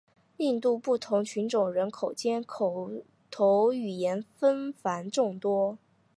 印度不同族群人口间口头语言纷繁众多。